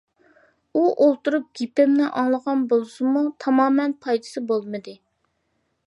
ئۇ ئولتۇرۇپ گېپىمنى ئاڭلىغان بولسىمۇ، تامامەن پايدىسى بولمىدى.